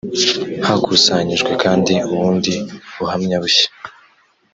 hakusanyijwe kandi ubundi buhamya bushya.